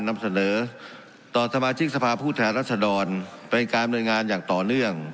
นำเสนอตอนทะมาจิกสภาพภูมิธรรมราชดรเป็นการบริญญาณอย่างต่อเนื่อง